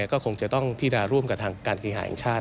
ก็คงจะต้องพินาร่วมกับทางการเคหาแห่งชาติ